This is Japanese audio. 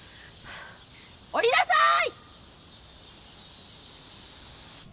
降りなさい！